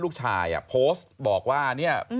ลูกชายโพสต์บอกว่าเนี่ย